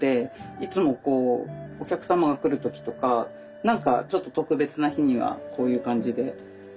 いつもお客様が来る時とか何かちょっと特別な日にはこういう感じで盛りつけます。